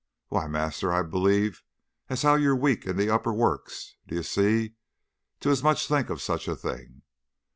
Why, master, I believe as how you're weak in the upper works, d'ye see? to as much as think o' such a thing.